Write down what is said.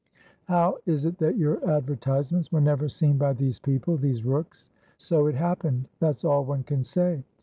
"How is it that your advertisements were never seen by these peoplethese Rookes?" "So it happened, that's all one can say.